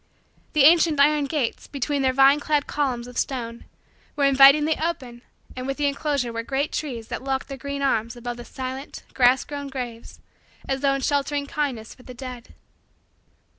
The ancient iron gates, between their vine clad columns of stone, were invitingly open and within the enclosure were great trees that locked their green arms above the silent, grass grown, graves as though in sheltering kindness for the dead.